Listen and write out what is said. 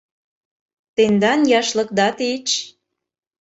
Тендан яшлыкда тич.